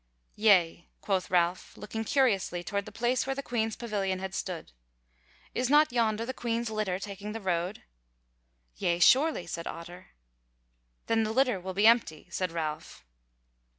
"Yea," quoth Ralph, looking curiously toward the place where the Queen's pavilion had stood; "is not yonder the Queen's litter taking the road?" "Yea, surely," said Otter. "Then the litter will be empty," said Ralph.